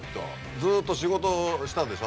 ずっと仕事したでしょ